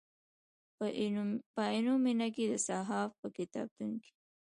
په عینومېنه کې د صحاف په کتابتون کې.